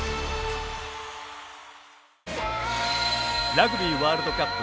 ラグビーワールドカップ